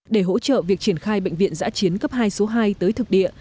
để hỗ trợ việc triển khai bệnh viện giã chiến cấp hai số hai tới thực địa